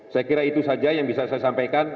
saya kira itu saja yang bisa saya sampaikan